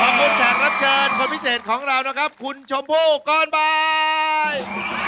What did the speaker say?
ขอบคุณแขกรับเชิญคนพิเศษของเรานะครับคุณชมพู่ก่อนบ่าย